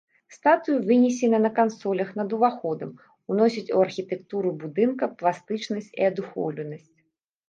Статуі вынесены на кансолях над уваходам, уносяць у архітэктуру будынка пластычнасць і адухоўленасць.